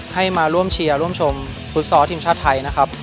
ให้มาร่วมเชียร์ร่วมชมฟุตซอลทีมชาติไทยนะครับ